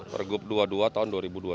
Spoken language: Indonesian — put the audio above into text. pergub dua puluh dua tahun dua ribu dua puluh